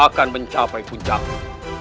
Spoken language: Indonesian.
akan mencapai puncaknya